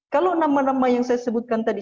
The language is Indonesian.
kalau nama nama yang saya sebutkan tadi